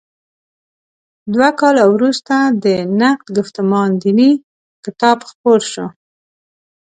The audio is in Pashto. دوه کاله وروسته د «نقد ګفتمان دیني» کتاب خپور شو.